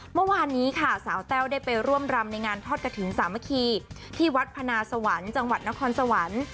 เมื่อวานนี้ค่ะสาวแต้วได้ไปร่วมรำในงานทอดกระถิ่นสามัคคีที่วัดพนาสวรรค์จังหวัดนครสวรรค์